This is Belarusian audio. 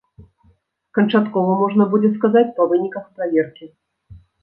Канчаткова можна будзе сказаць па выніках праверкі.